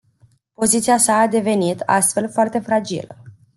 Poziția sa a devenit, astfel, foarte fragilă.